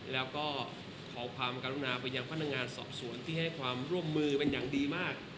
แล้วก็ขอความกรุณาไปยังพนักงานสอบสวนที่ให้ความร่วมมือเป็นอย่างดีมาก